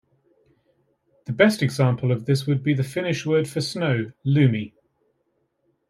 The best example of this would be the Finnish word for snow, "lumi".